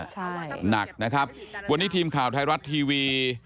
ใช่หนักนะครับวันนี้ทีมข่าวไทยรัฐทีวี